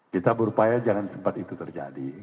kita berupaya jangan sempat itu terjadi